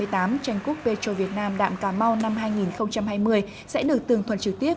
tranh quốc petro việt nam đạm cà mau năm hai nghìn hai mươi sẽ được tường thuần trực tiếp